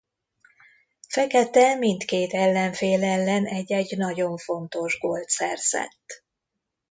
Fekete mindkét ellenfél ellen egy-egy nagyon fontos gólt szerzett.